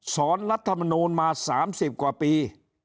รัฐมนูลมา๓๐กว่าปี